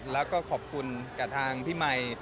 แล้วก็ขอบคุณกับทางพี่ไมค์